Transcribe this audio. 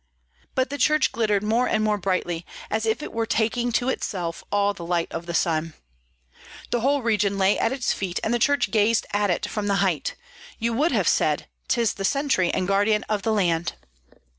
But the church glittered more and more brightly, as if it were taking to itself all the light of the sun. The whole region lay at its feet, and the church gazed at it from the height; you would have said, "'Tis the sentry and guardian of the land."